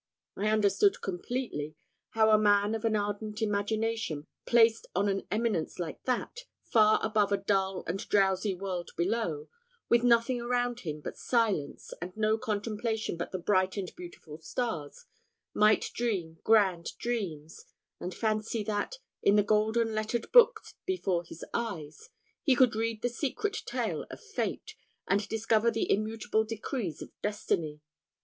I understood completely how a man of an ardent imagination, placed on an eminence like that, far above a dull and drowsy world below, with nothing around him but silence, and no contemplation but the bright and beautiful stars, might dream grand dreams, and fancy that, in the golden lettered book before his eyes, he could read the secret tale of fate, and discover the immutable decrees of destiny.